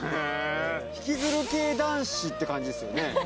ひきずる系男子って感じですよね